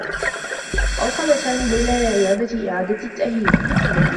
أوصل سامي ليلى إلى عيادة إعادة تأهيل.